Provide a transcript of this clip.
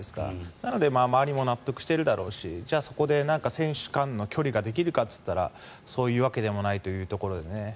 なので周りも納得してるだろうしじゃあそこで何か選手間の距離ができるかといったらそういうわけでもないというところでね。